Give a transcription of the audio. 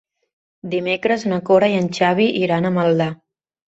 Dimecres na Cora i en Xavi iran a Maldà.